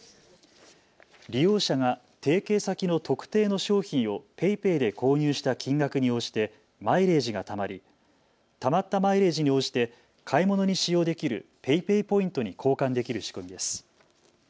利用者が提携先の特定の商品をＰａｙＰａｙで購入した金額に応じてマイレージがたまりたまったマイレージに応じて買い物に使用できるＰａｙＰａｙポイントに交換できる仕組みです。